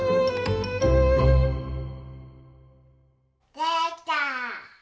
できた。